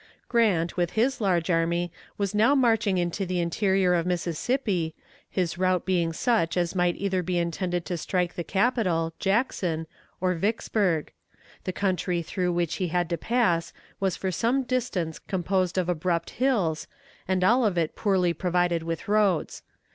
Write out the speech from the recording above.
Grant with his large army was now marching into the interior of Mississippi, his route being such as might either be intended to strike the capital (Jackson) or Vicksburg. The country through which he had to pass was for some distance composed of abrupt hills, and all of it poorly provided with roads.